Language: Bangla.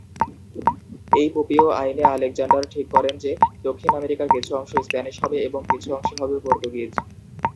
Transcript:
এই পোপীয় আইনে আলেকজান্ডার ঠিক করেন যে দক্ষিণ আমেরিকার কিছু অংশ স্প্যানিশ হবে এবং কিছু অংশ হবে পর্তুগিজ।